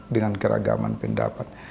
dengan keragaman pendapat